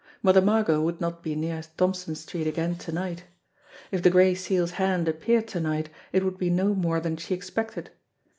Mother Margot would not be near Thompson Street again to night. If the Gray Seal's hand appeared to night, it would be no more than she expected.